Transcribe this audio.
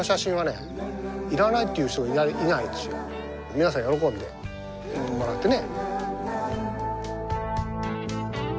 皆さん喜んでもらってね。